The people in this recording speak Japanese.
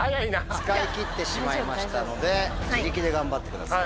使い切ってしまいましたので自力で頑張ってください。